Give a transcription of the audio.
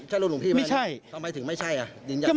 ใช้รูปหลวงพี่ไหมทำไมถึงไม่ใช่อ่ะจริงอ่ะ